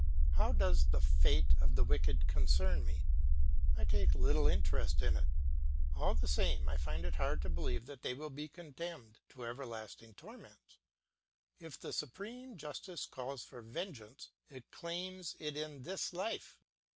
How does the fate of the wicked concern me? I take little interest in it. All the same I find it hard to believe that they will be condemned to everlasting torments. If the supreme justice calls for vengeance, it claims it in this life.